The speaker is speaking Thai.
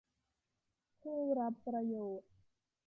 ผู้รับประโยชน์